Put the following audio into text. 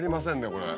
これ。